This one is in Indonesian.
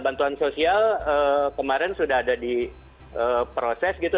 bantuan sosial kemarin sudah ada di proses gitu